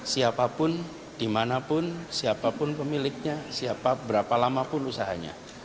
siapapun dimanapun siapapun pemiliknya siapa berapa lamapun usahanya